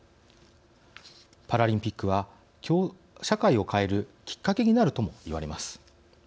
パラリンピックは社会を変えるきっかけになるとも言われます。